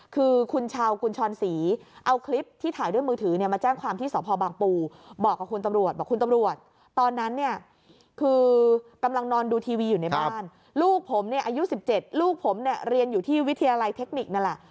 ลูกผมเนี้ยอายุสิบเจ็ดลูกผมเนี้ยเรียนอยู่ที่วิทยาลัยเทคนิคนั่นแหละ